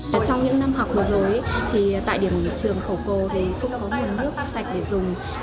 trong những năm học vừa rồi tại điểm trường khẩu cô không có nước sạch để dùng